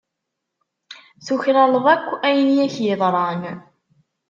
Tuklaleḍ akk ayen i ak-yeḍran.